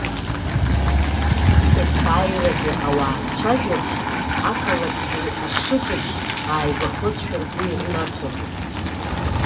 Есааирагьы ауаа рцәажәабжь, ақалақь ду ашыкьыбжь ааигәахозшәа ргәы ирнаҭон.